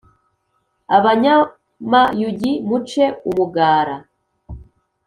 Abanyamayugi muce umugara